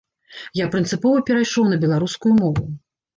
Я прынцыпова перайшоў на беларускую мову.